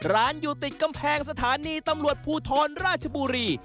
อยู่ติดกำแพงสถานีตำรวจภูทรราชบุรี